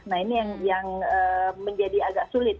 nah ini yang menjadi agak sulit